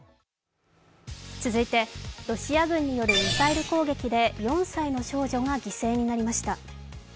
続いて、ロシア軍によるミサイル攻撃で４歳の少女が犠牲になりました。